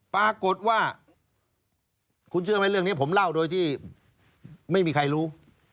ปรากฏว่าคุณเชื่อไหมเรื่องนี้ผมเล่าโดยที่ไม่มีใครรู้